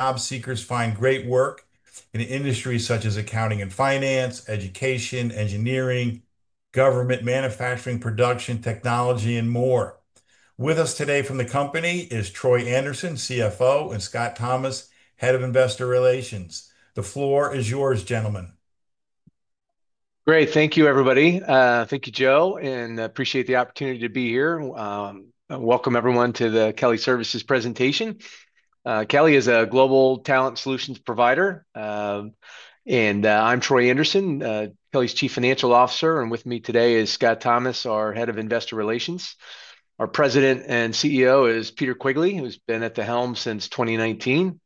Top seekers find great work in industries such as accounting and finance, education, engineering, government, manufacturing, production, technology, and more. With us today from the company is Troy Anderson, CFO, and Scott Thomas, Head of Investor Relations. The floor is yours, gentlemen. Great. Thank you, everybody. Thank you, Joe, and I appreciate the opportunity to be here. Welcome, everyone, to the Kelly Services presentation. Kelly is a global talent solutions provider, and I'm Troy Anderson, Kelly's Chief Financial Officer, and with me today is Scott Thomas, our Head of Investor Relations. Our President and CEO is Peter Quigley, who's been at the helm since 2019.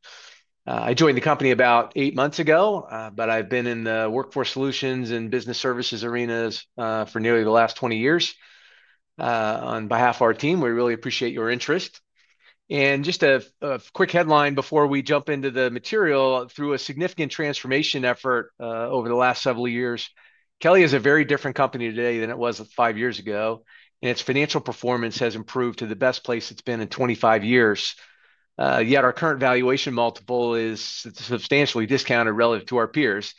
I joined the company about eight months ago, but I've been in the workforce solutions and business services arenas for nearly the last 20 years. On behalf of our team, we really appreciate your interest. Just a quick headline before we jump into the material: through a significant transformation effort over the last several years, Kelly is a very different company today than it was five years ago, and its financial performance has improved to the best place it's been in 25 years. Yet our current valuation multiple is substantially discounted relative to our peers.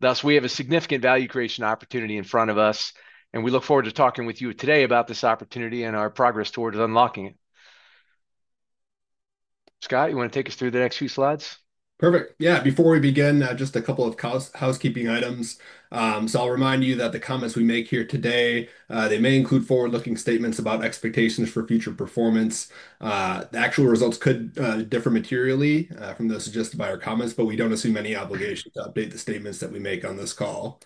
Thus, we have a significant value creation opportunity in front of us, and we look forward to talking with you today about this opportunity and our progress towards unlocking it. Scott, you want to take us through the next few slides? Perfect. Yeah. Before we begin, just a couple of housekeeping items. I'll remind you that the comments we make here today, they may include forward-looking statements about expectations for future performance. The actual results could differ materially from those suggested by our comments, but we don't assume any obligation to update the statements that we make on this call.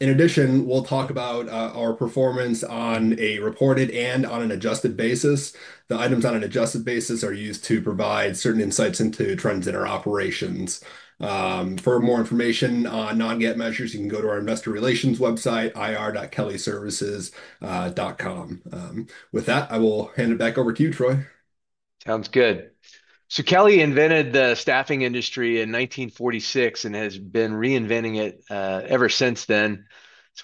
In addition, we'll talk about our performance on a reported and on an adjusted basis. The items on an adjusted basis are used to provide certain insights into trends in our operations. For more information on non-GAAP measures, you can go to our Investor Relations website, ir.kellyservices.com. With that, I will hand it back over to you, Troy. Sounds good. Kelly invented the staffing industry in 1946 and has been reinventing it ever since then.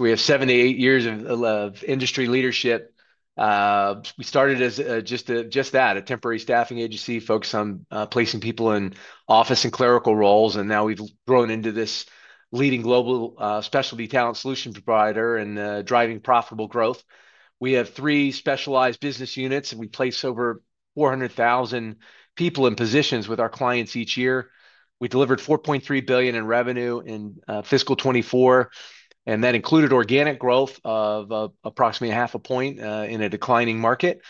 We have seventy to eighty years of industry leadership. We started as just that, a temporary staffing agency focused on placing people in office and clerical roles, and now we've grown into this leading global specialty talent solution provider and driving profitable growth. We have three specialized business units, and we place over 400,000 people in positions with our clients each year. We delivered $4.3 billion in revenue in fiscal 2024, and that included organic growth of approximately half a point in a declining market.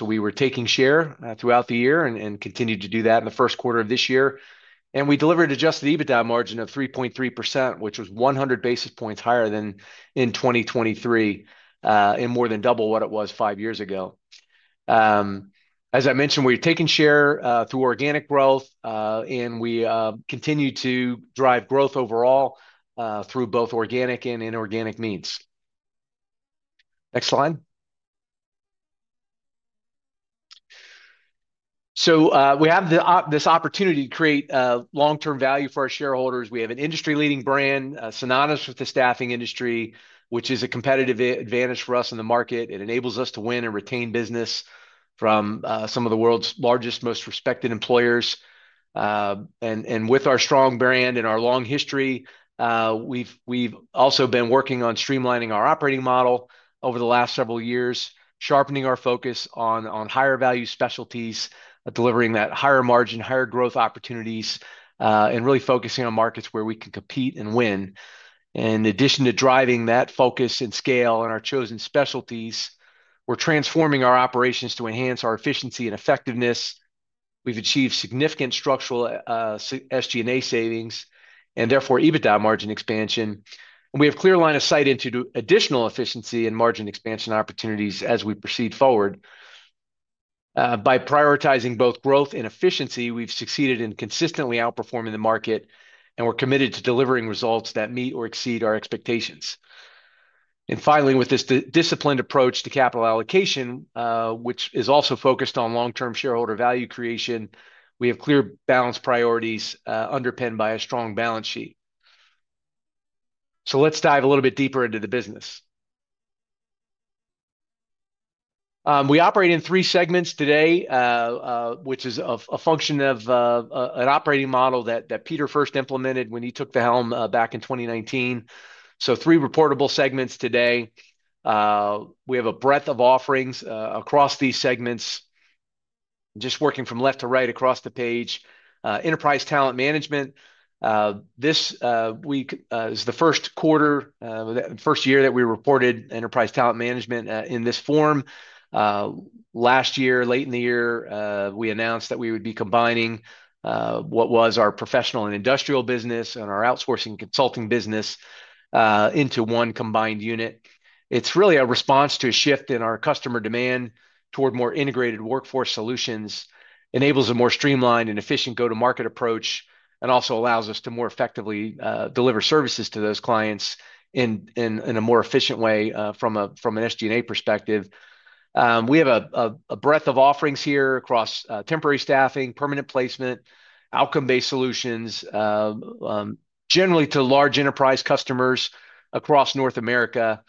We were taking share throughout the year and continued to do that in the first quarter of this year. We delivered an adjusted EBITDA margin of 3.3%, which was 100 basis points higher than in 2023 and more than double what it was five years ago. As I mentioned, we're taking share through organic growth, and we continue to drive growth overall through both organic and inorganic means. Next slide. We have this opportunity to create long-term value for our shareholders. We have an industry-leading brand synonymous with the staffing industry, which is a competitive advantage for us in the market. It enables us to win and retain business from some of the world's largest, most respected employers. With our strong brand and our long history, we've also been working on streamlining our operating model over the last several years, sharpening our focus on higher-value specialties, delivering that higher margin, higher growth opportunities, and really focusing on markets where we can compete and win. In addition to driving that focus and scale in our chosen specialties, we're transforming our operations to enhance our efficiency and effectiveness. We've achieved significant structural SG&A savings and therefore EBITDA margin expansion. We have a clear line of sight into additional efficiency and margin expansion opportunities as we proceed forward. By prioritizing both growth and efficiency, we've succeeded in consistently outperforming the market, and we're committed to delivering results that meet or exceed our expectations. Finally, with this disciplined approach to capital allocation, which is also focused on long-term shareholder value creation, we have clear balance priorities underpinned by a strong balance sheet. Let's dive a little bit deeper into the business. We operate in three segments today, which is a function of an operating model that Peter first implemented when he took the helm back in 2019. Three reportable segments today. We have a breadth of offerings across these segments, just working from left to right across the page. Enterprise Talent Management. This week is the first quarter, the first year that we reported Enterprise Talent Management in this form. Last year, late in the year, we announced that we would be combining what was our professional and industrial business and our outsourcing consulting business into one combined unit. It's really a response to a shift in our customer demand toward more integrated workforce solutions, enables a more streamlined and efficient go-to-market approach, and also allows us to more effectively deliver services to those clients in a more efficient way from an SG&A perspective. We have a breadth of offerings here across temporary staffing, permanent placement, outcome-based solutions, generally to large enterprise customers across North America,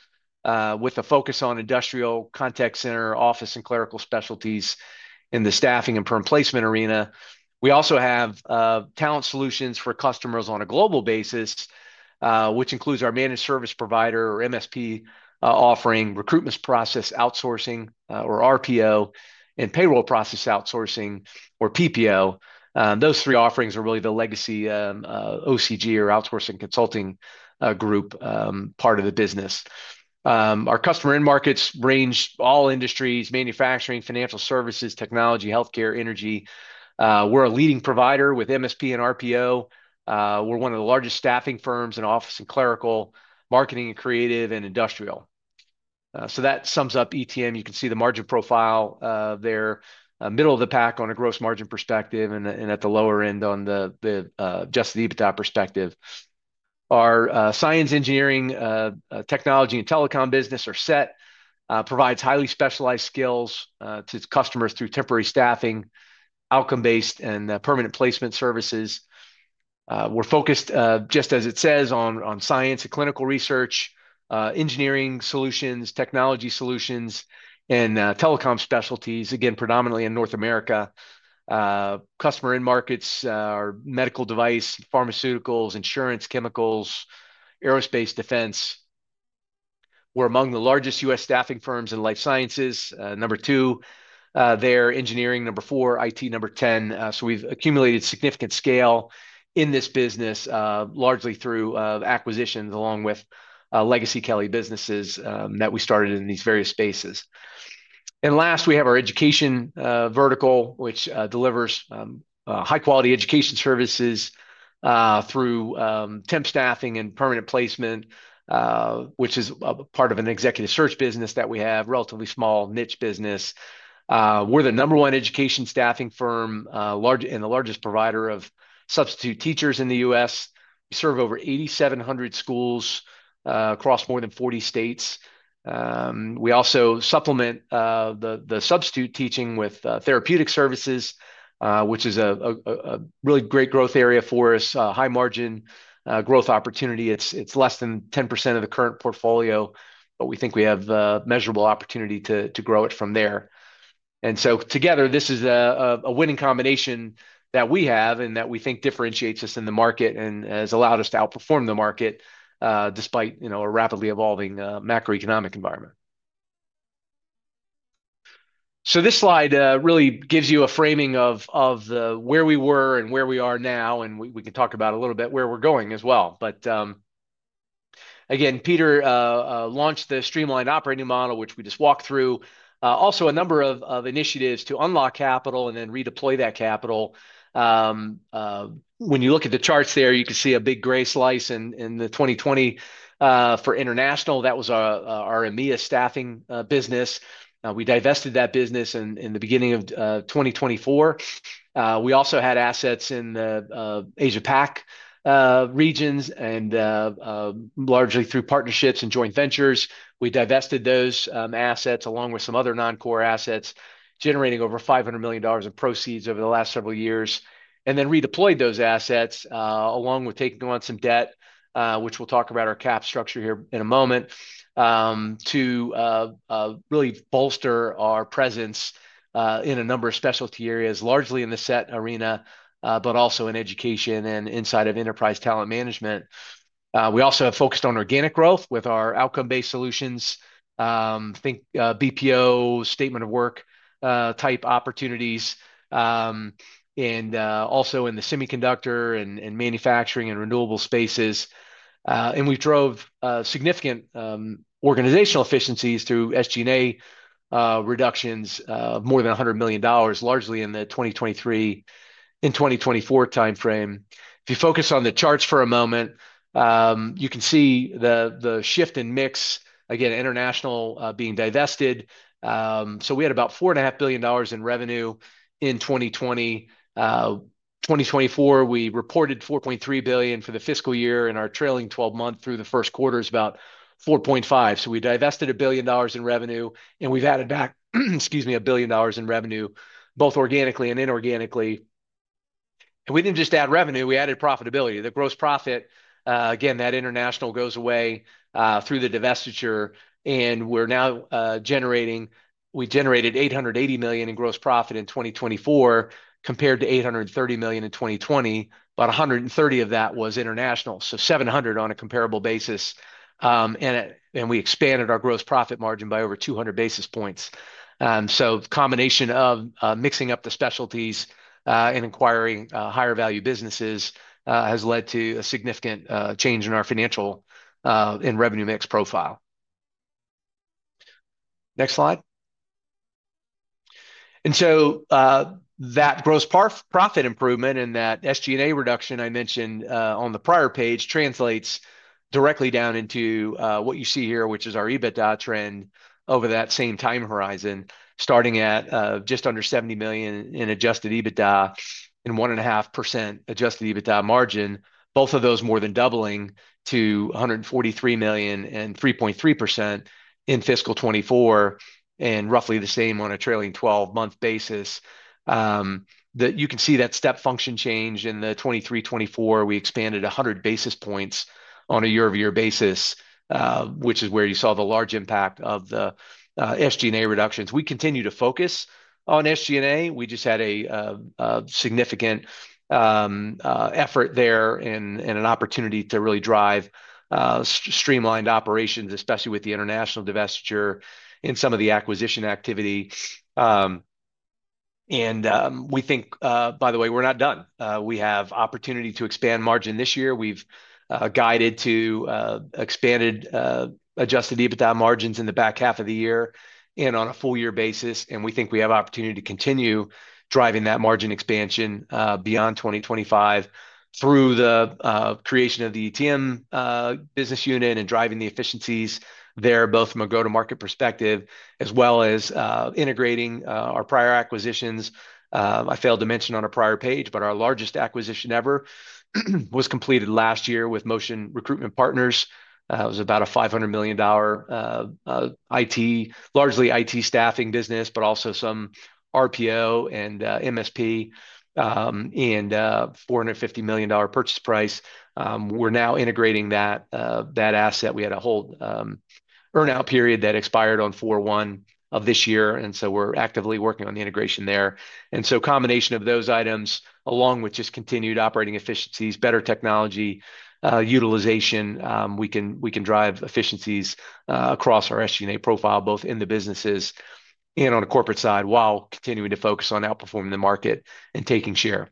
with a focus on industrial, contact center, office, and clerical specialties in the staffing and perm placement arena. We also have talent solutions for customers on a global basis, which includes our Managed Service Provider, or MSP, offering, Recruitment Process Outsourcing, or RPO, and Payroll Process Outsourcing, or PPO. Those three offerings are really the legacy OCG, or Outsourcing Consulting Group, part of the business. Our customer end markets range all industries: manufacturing, financial services, technology, healthcare, energy. We're a leading provider with MSP and RPO. We're one of the largest staffing firms in office and clerical, marketing and creative, and industrial. That sums up ETM. You can see the margin profile there, middle of the pack on a gross margin perspective and at the lower end on just the EBITDA perspective. Our Science, Engineering, Technology, and Telecom business, or SETT, provides highly specialized skills to its customers through temporary staffing, outcome-based, and permanent placement services. We're focused, just as it says, on science and clinical research, engineering solutions, technology solutions, and telecom specialties, again, predominantly in North America. Customer end markets are medical device, pharmaceuticals, insurance, chemicals, aerospace, defense. We're among the largest U.S. staffing firms in life sciences, number two there; engineering, number four; IT, number ten. We have accumulated significant scale in this business, largely through acquisitions along with legacy Kelly businesses that we started in these various spaces. Last, we have our education vertical, which delivers high-quality education services through temp staffing and permanent placement, which is part of an executive search business that we have, a relatively small niche business. We're the number one education staffing firm and the largest provider of substitute teachers in the U.S. We serve over 8,700 schools across more than 40 states. We also supplement the substitute teaching with therapeutic services, which is a really great growth area for us, a high-margin growth opportunity. It's less than 10% of the current portfolio, but we think we have a measurable opportunity to grow it from there. Together, this is a winning combination that we have and that we think differentiates us in the market and has allowed us to outperform the market despite a rapidly evolving macroeconomic environment. This slide really gives you a framing of where we were and where we are now, and we can talk about a little bit where we're going as well. Again, Peter launched the streamlined operating model, which we just walked through. Also, a number of initiatives to unlock capital and then redeploy that capital. When you look at the charts there, you can see a big gray slice in 2020 for international. That was our EMEA staffing business. We divested that business in the beginning of 2024. We also had assets in the Asia-Pac regions and largely through partnerships and joint ventures. We divested those assets along with some other non-core assets, generating over $500 million of proceeds over the last several years, and then redeployed those assets along with taking on some debt, which we'll talk about our cap structure here in a moment, to really bolster our presence in a number of specialty areas, largely in the SETT arena, but also in education and inside of enterprise talent management. We also have focused on organic growth with our outcome-based solutions, think BPO, statement of work type opportunities, and also in the semiconductor and manufacturing and renewable spaces. We drove significant organizational efficiencies through SG&A reductions of more than $100 million, largely in the 2023 and 2024 timeframe. If you focus on the charts for a moment, you can see the shift in mix, again, international being divested. We had about $4.5 billion in revenue in 2020. 2024, we reported $4.3 billion for the fiscal year, and our trailing 12 months through the first quarter is about $4.5 billion. We divested $1 billion in revenue, and we've added back, excuse me, $1 billion in revenue, both organically and inorganically. We didn't just add revenue; we added profitability. The gross profit, again, that international goes away through the divestiture, and we're now generating—we generated $880 million in gross profit in 2024 compared to $830 million in 2020. About $130 million of that was international, so $700 million on a comparable basis. We expanded our gross profit margin by over 200 basis points. The combination of mixing up the specialties and acquiring higher-value businesses has led to a significant change in our financial and revenue mix profile. Next slide. That gross profit improvement and that SG&A reduction I mentioned on the prior page translates directly down into what you see here, which is our EBITDA trend over that same time horizon, starting at just under $70 million in adjusted EBITDA and 1.5% adjusted EBITDA margin, both of those more than doubling to $143 million and 3.3% in fiscal 2024 and roughly the same on a trailing 12-month basis. You can see that step function change in the 2023-2024; we expanded 100 basis points on a year-over-year basis, which is where you saw the large impact of the SG&A reductions. We continue to focus on SG&A. We just had a significant effort there and an opportunity to really drive streamlined operations, especially with the international divestiture and some of the acquisition activity. We think, by the way, we're not done. We have the opportunity to expand margin this year. We've guided to expanded adjusted EBITDA margins in the back half of the year and on a full-year basis. We think we have the opportunity to continue driving that margin expansion beyond 2025 through the creation of the ETM business unit and driving the efficiencies there, both from a go-to-market perspective as well as integrating our prior acquisitions. I failed to mention on a prior page, but our largest acquisition ever was completed last year with Motion Recruitment Partners. It was about a $500 million IT, largely IT staffing business, but also some RPO and MSP and $450 million purchase price. We're now integrating that asset. We had a whole earnout period that expired on 4/1 of this year, and we are actively working on the integration there. A combination of those items, along with just continued operating efficiencies, better technology utilization, we can drive efficiencies across our SG&A profile, both in the businesses and on the corporate side while continuing to focus on outperforming the market and taking share.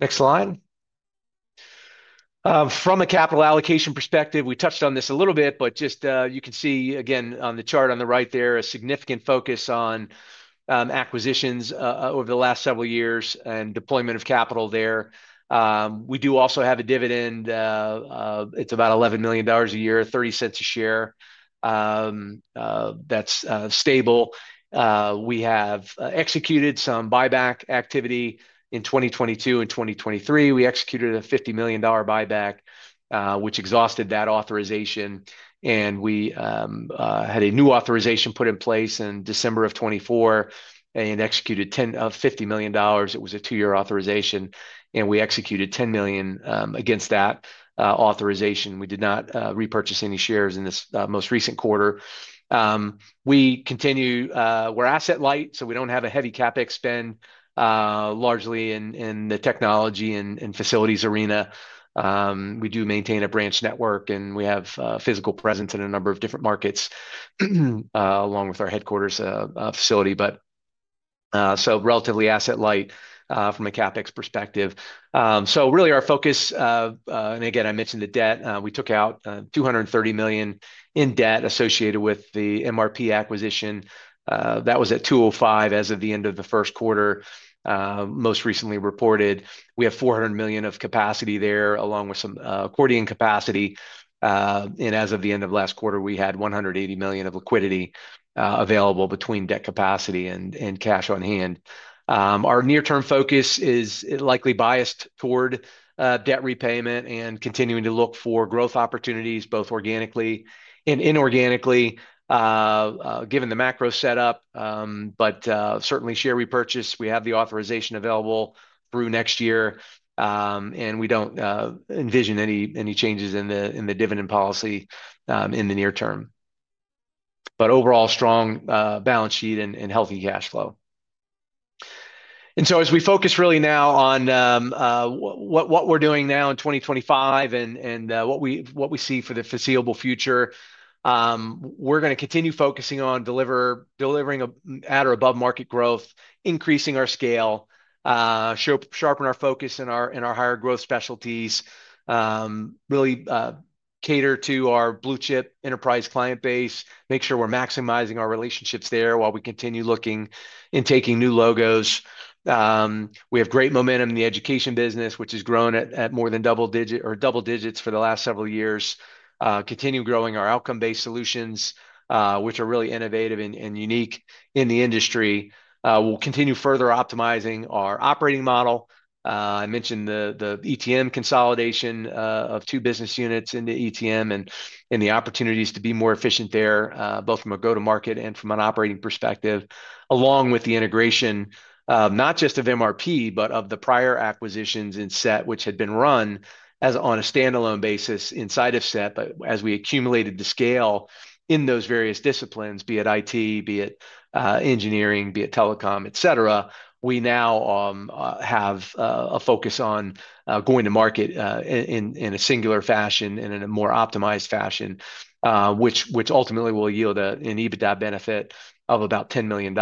Next slide. From a capital allocation perspective, we touched on this a little bit, but just you can see again on the chart on the right there a significant focus on acquisitions over the last several years and deployment of capital there. We do also have a dividend. It is about $11 million a year, $0.30 a share. That is stable. We have executed some buyback activity in 2022 and 2023. We executed a $50 million buyback, which exhausted that authorization. We had a new authorization put in place in December of 2024 and executed $50 million. It was a two-year authorization, and we executed $10 million against that authorization. We did not repurchase any shares in this most recent quarter. We continue—we're asset-light, so we don't have a heavy CapEx spend, largely in the technology and facilities arena. We do maintain a branch network, and we have a physical presence in a number of different markets along with our headquarters facility. Relatively asset-light from a CapEx perspective. Really, our focus—and again, I mentioned the debt—we took out $230 million in debt associated with the MRP acquisition. That was at $205 million as of the end of the first quarter, most recently reported. We have $400 million of capacity there along with some accordion capacity. As of the end of last quarter, we had $180 million of liquidity available between debt capacity and cash on hand. Our near-term focus is likely biased toward debt repayment and continuing to look for growth opportunities, both organically and inorganically, given the macro setup. Certainly, share repurchase, we have the authorization available through next year, and we do not envision any changes in the dividend policy in the near term. Overall, strong balance sheet and healthy cash flow. As we focus really now on what we are doing now in 2025 and what we see for the foreseeable future, we are going to continue focusing on delivering at or above market growth, increasing our scale, sharpen our focus in our higher growth specialties, really cater to our blue-chip enterprise client base, make sure we are maximizing our relationships there while we continue looking and taking new logos. We have great momentum in the education business, which has grown at more than double digits for the last several years. Continue growing our outcome-based solutions, which are really innovative and unique in the industry. We'll continue further optimizing our operating model. I mentioned the ETM consolidation of two business units into ETM and the opportunities to be more efficient there, both from a go-to-market and from an operating perspective, along with the integration not just of MRP, but of the prior acquisitions in SETT, which had been run on a standalone basis inside of SETT. As we accumulated the scale in those various disciplines, be it IT, be it engineering, be it telecom, etc., we now have a focus on going to market in a singular fashion and in a more optimized fashion, which ultimately will yield an EBITDA benefit of about $10 million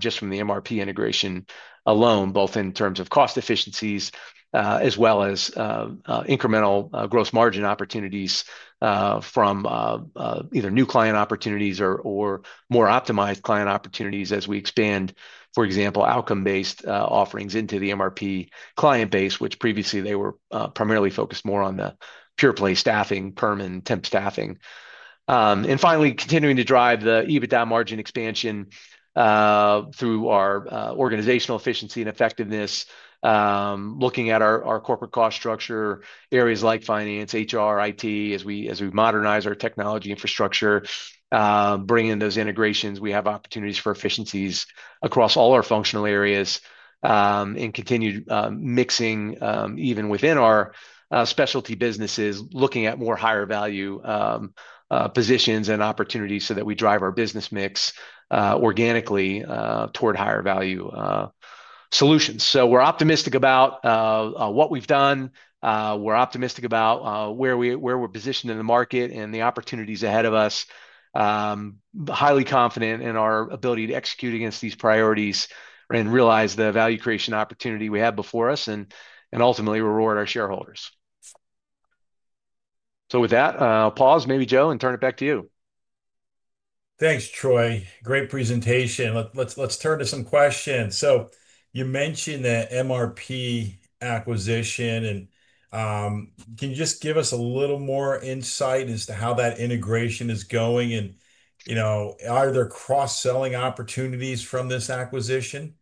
just from the MRP integration alone, both in terms of cost efficiencies as well as incremental gross margin opportunities from either new client opportunities or more optimized client opportunities as we expand, for example, outcome-based offerings into the MRP client base, which previously they were primarily focused more on the pure-play staffing, perm and temp staffing. Finally, continuing to drive the EBITDA margin expansion through our organizational efficiency and effectiveness, looking at our corporate cost structure, areas like finance, HR, IT, as we modernize our technology infrastructure, bringing in those integrations. We have opportunities for efficiencies across all our functional areas and continue mixing even within our specialty businesses, looking at more higher-value positions and opportunities so that we drive our business mix organically toward higher-value solutions. We are optimistic about what we've done. We are optimistic about where we're positioned in the market and the opportunities ahead of us. Highly confident in our ability to execute against these priorities and realize the value creation opportunity we have before us and ultimately reward our shareholders. With that, I'll pause, maybe, Joe, and turn it back to you. Thanks, Troy. Great presentation. Let's turn to some questions. You mentioned that MRP acquisition. Can you just give us a little more insight as to how that integration is going and are there cross-selling opportunities from this acquisition?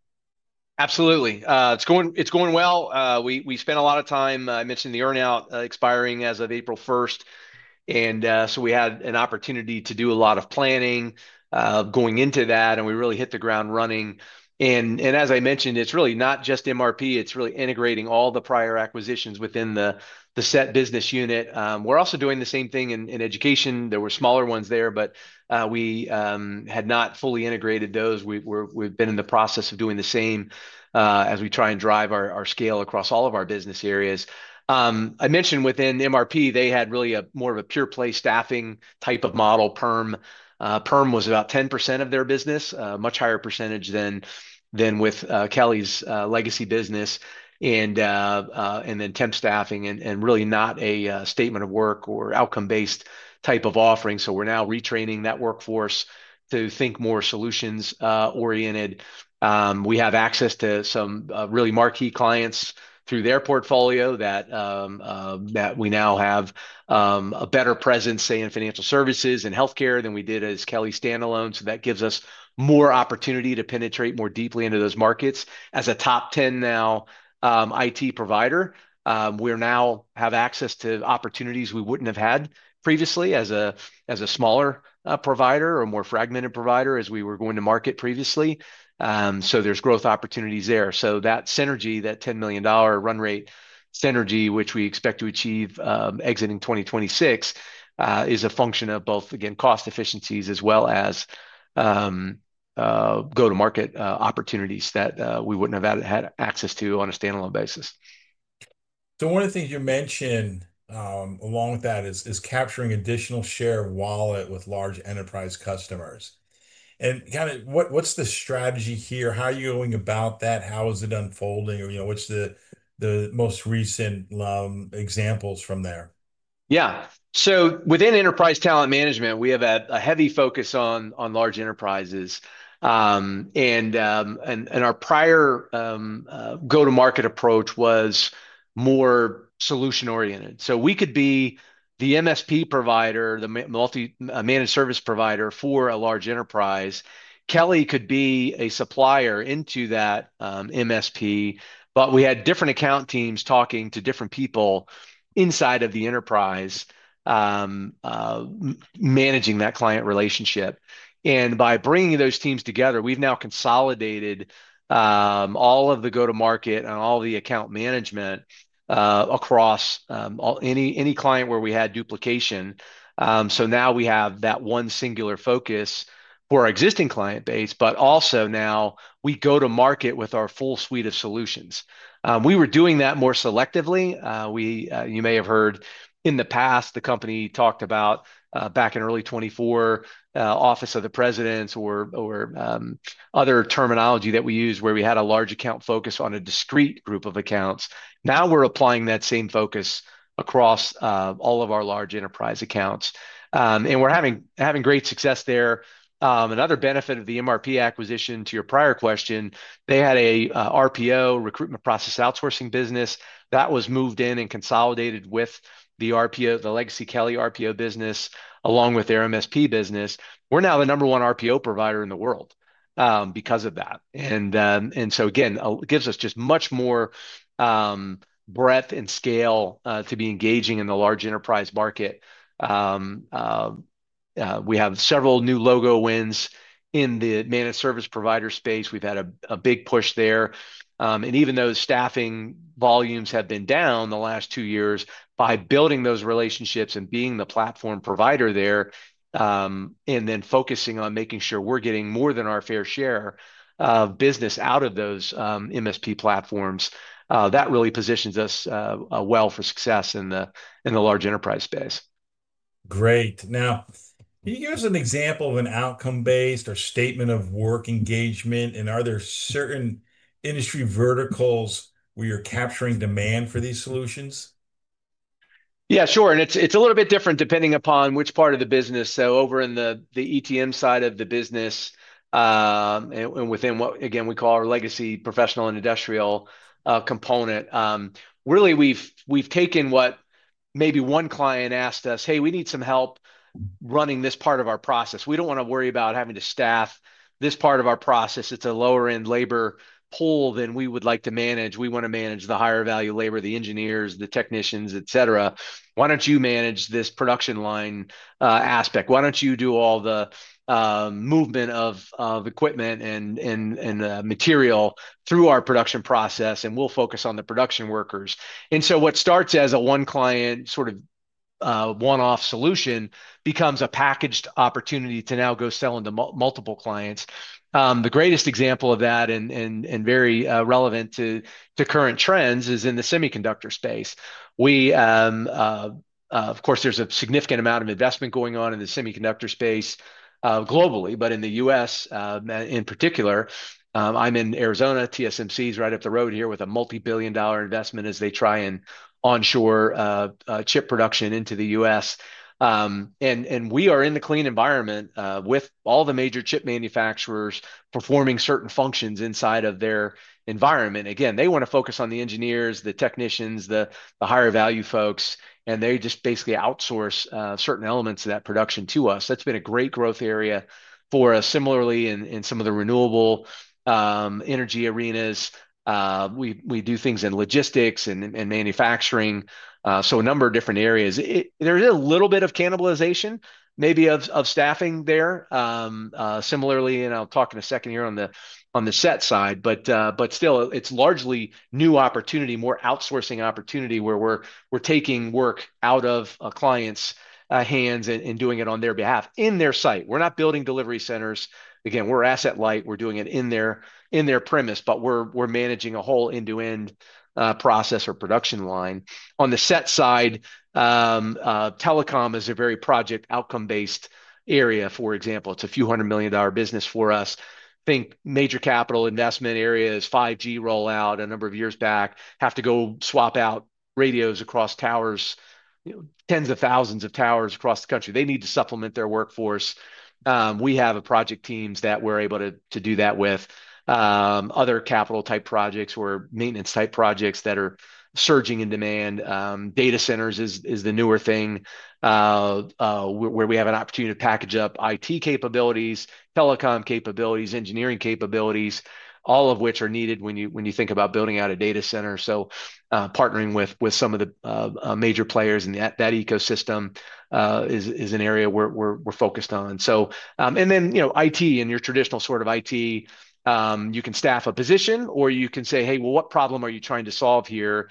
Absolutely. It's going well. We spent a lot of time—I mentioned the earnout expiring as of April 1st. We had an opportunity to do a lot of planning going into that, and we really hit the ground running. As I mentioned, it's really not just MRP. It's really integrating all the prior acquisitions within the SETT business unit. We're also doing the same thing in education. There were smaller ones there, but we had not fully integrated those. We've been in the process of doing the same as we try and drive our scale across all of our business areas. I mentioned within MRP, they had really more of a pure-play staffing type of model. Perm was about 10% of their business, a much higher percentage than with Kelly's legacy business and then temp staffing, and really not a statement of work or outcome-based type of offering. We're now retraining that workforce to think more solutions-oriented. We have access to some really marquee clients through their portfolio that we now have a better presence, say, in financial services and healthcare than we did as Kelly standalone. That gives us more opportunity to penetrate more deeply into those markets. As a top 10 now IT provider, we now have access to opportunities we wouldn't have had previously as a smaller provider or more fragmented provider as we were going to market previously. There's growth opportunities there. That synergy, that $10 million run rate synergy, which we expect to achieve exiting 2026, is a function of both, again, cost efficiencies as well as go-to-market opportunities that we wouldn't have had access to on a standalone basis. One of the things you mentioned along with that is capturing additional share of wallet with large enterprise customers. Kind of what's the strategy here? How are you going about that? How is it unfolding? What's the most recent examples from there? Yeah. Within Enterprise Talent Management, we have a heavy focus on large enterprises. Our prior go-to-market approach was more solution-oriented. We could be the MSP provider, the multi-managed service provider for a large enterprise. Kelly could be a supplier into that MSP. We had different account teams talking to different people inside of the enterprise managing that client relationship. By bringing those teams together, we've now consolidated all of the go-to-market and all the account management across any client where we had duplication. Now we have that one singular focus for our existing client base, but also now we go-to-market with our full suite of solutions. We were doing that more selectively. You may have heard in the past the company talked about back in early 2024, Office of the Presidents or other terminology that we used where we had a large account focus on a discrete group of accounts. Now we are applying that same focus across all of our large enterprise accounts. We are having great success there. Another benefit of the MRP acquisition to your prior question, they had an RPO, Recruitment Process Outsourcing business that was moved in and consolidated with the legacy Kelly RPO business along with their MSP business. We are now the number one RPO provider in the world because of that. It gives us just much more breadth and scale to be engaging in the large enterprise market. We have several new logo wins in the managed service provider space. We've had a big push there. Even though staffing volumes have been down the last two years, by building those relationships and being the platform provider there and then focusing on making sure we're getting more than our fair share of business out of those MSP platforms, that really positions us well for success in the large enterprise space. Great. Now, can you give us an example of an outcome-based or statement of work engagement? And are there certain industry verticals where you're capturing demand for these solutions? Yeah, sure. It's a little bit different depending upon which part of the business. Over in the ETM side of the business and within what, again, we call our legacy professional and industrial component, really we've taken what maybe one client asked us, "Hey, we need some help running this part of our process. We don't want to worry about having to staff this part of our process. It's a lower-end labor pool than we would like to manage. We want to manage the higher-value labor, the engineers, the technicians, etc. Why don't you manage this production line aspect? Why don't you do all the movement of equipment and material through our production process, and we'll focus on the production workers?" What starts as a one-client sort of one-off solution becomes a packaged opportunity to now go sell into multiple clients. The greatest example of that and very relevant to current trends is in the semiconductor space. Of course, there's a significant amount of investment going on in the semiconductor space globally, but in the U.S. in particular, I'm in Arizona. TSMC is right up the road here with a multi-billion dollar investment as they try and onshore chip production into the U.S.. And we are in the clean environment with all the major chip manufacturers performing certain functions inside of their environment. Again, they want to focus on the engineers, the technicians, the higher-value folks, and they just basically outsource certain elements of that production to us. That's been a great growth area for us. Similarly, in some of the renewable energy arenas, we do things in logistics and manufacturing. So a number of different areas. There is a little bit of cannibalization, maybe of staffing there. Similarly, and I'll talk in a second here on the SETT side, but still, it's largely new opportunity, more outsourcing opportunity where we're taking work out of clients' hands and doing it on their behalf in their site. We're not building delivery centers. Again, we're asset-light. We're doing it in their premise, but we're managing a whole end-to-end process or production line. On the SETT side, telecom is a very project outcome-based area. For example, it's a few hundred million dollar business for us. Think major capital investment areas, 5G rollout a number of years back, have to go swap out radios across towers, tens of thousands of towers across the country. They need to supplement their workforce. We have project teams that we're able to do that with. Other capital-type projects or maintenance-type projects that are surging in demand. Data centers is the newer thing where we have an opportunity to package up IT capabilities, telecom capabilities, engineering capabilities, all of which are needed when you think about building out a data center. Partnering with some of the major players in that ecosystem is an area we're focused on. In your traditional sort of IT, you can staff a position or you can say, "Hey, well, what problem are you trying to solve here?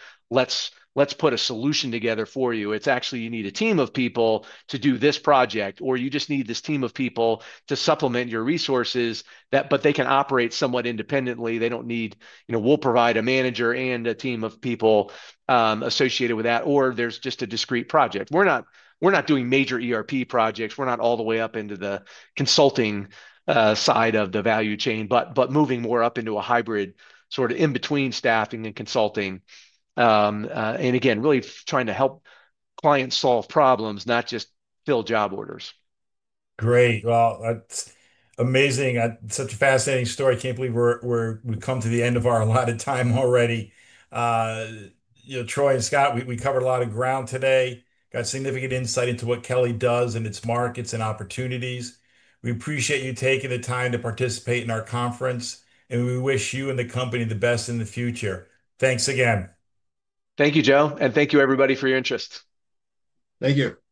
Let's put a solution together for you." It's actually you need a team of people to do this project, or you just need this team of people to supplement your resources, but they can operate somewhat independently. They don't need—we'll provide a manager and a team of people associated with that, or there's just a discrete project. We're not doing major ERP projects. We're not all the way up into the consulting side of the value chain, but moving more up into a hybrid sort of in-between staffing and consulting. And again, really trying to help clients solve problems, not just fill job orders. Great. That is amazing. Such a fascinating story. I can't believe we've come to the end of our allotted time already. Troy and Scott, we covered a lot of ground today. Got significant insight into what Kelly does and its markets and opportunities. We appreciate you taking the time to participate in our conference, and we wish you and the company the best in the future. Thanks again. Thank you, Joe. And thank you, everybody, for your interest. Thank you. Bye.